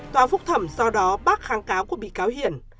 tòa phúc thẩm do đó bác kháng cáo của bị cáo hiền